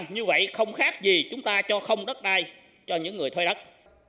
như vậy không khác gì chúng ta cho không đất đai cho những người thuê đất